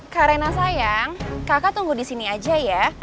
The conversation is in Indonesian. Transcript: karena sayang kakak tunggu di sini aja ya